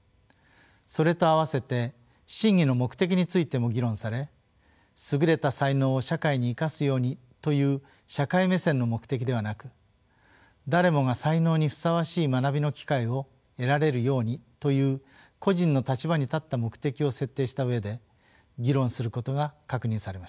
それと併せて審議の目的についても議論され優れた才能を社会に生かすようにという社会目線の目的ではなく誰もが才能にふさわしい学びの機会を得られるようにという個人の立場に立った目的を設定した上で議論することが確認されました。